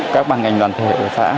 các bàn ngành đoàn thể của xã